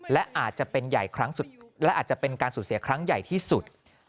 และอาจจะเป็นการสูญเสียครั้งใหญ่ที่สุด